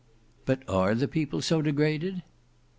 "But are the people so degraded?"